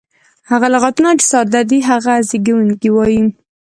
هغه لغتونه، چي ساده دي هغه ته زېږوونکی وایي.